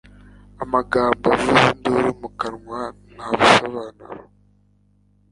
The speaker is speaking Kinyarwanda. amagambo avuza induru mu kanwa nta busobanuro